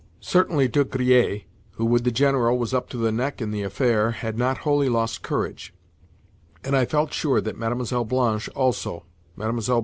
Certainly De Griers, who, with the General, was up to the neck in the affair, had not wholly lost courage; and I felt sure that Mlle. Blanche also—Mlle.